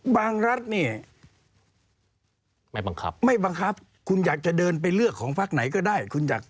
บางรัฐเนี่ยไม่บังคับคุณอยากจะเดินไปเลือกของภาคไหนก็ได้